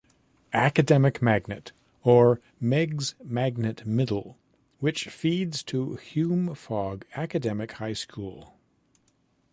Academic Magnet, or Meigs Magnet Middle which feeds to Hume Fogg Academic High School.